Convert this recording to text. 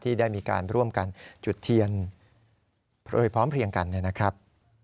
ได้มีการร่วมกันจุดเทียนโพยพร้อมเพลียงกันเนี่ยนะครับ